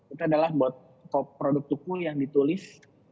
itu adalah produk tuku yang ditulis